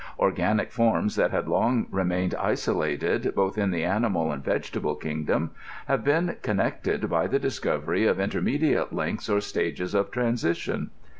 Organic forms that had long remained isolated, both in the animal and vegetable kingdom, have been connected by the discovery of intermediate links or stages of transition.